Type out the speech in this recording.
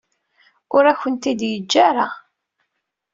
Ur akent-ten-id-yeǧǧa ara.